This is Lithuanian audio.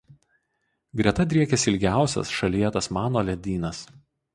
Greta driekiasi ilgiausias šalyje Tasmano ledynas.